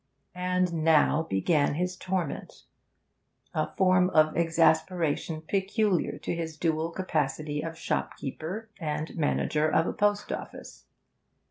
And now began his torment a form of exasperation peculiar to his dual capacity of shopkeeper and manager of a post office.